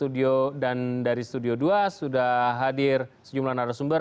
dan dari studio dua sudah hadir sejumlah narasumber